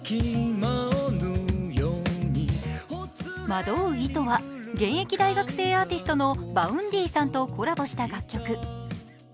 「惑う糸」は、現役大学生アーティストのＶａｕｎｄｙさんとコラボした楽曲。